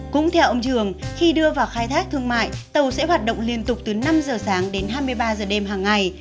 cũng theo ông trường khi đưa vào khai thác thương mại tàu sẽ hoạt động liên tục từ năm giờ sáng đến hai mươi ba giờ đêm hàng ngày